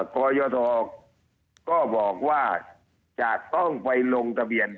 กรยทก็บอกว่าจะต้องไปลงทะเบียน